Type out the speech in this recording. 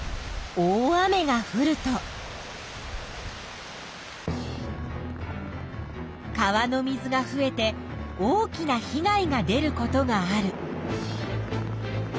大雨がふると川の水が増えて大きな被害が出ることがある。